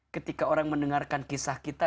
ketika orang mendengarkan kisah kita